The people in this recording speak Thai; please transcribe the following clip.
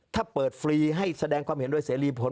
ถ้าเปิดฟรีให้แสดงความเห็นโดยเสรีผล